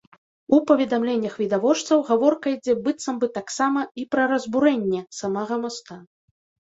У паведамленнях відавочцаў гаворка ідзе быццам бы таксама і пра разбурэнне самага моста.